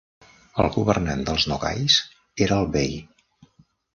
El governant dels Nogais era el Bey.